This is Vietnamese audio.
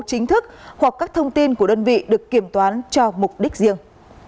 chính thức hoặc các thông tin của đơn vị được kiểm toán cho mục đích riêng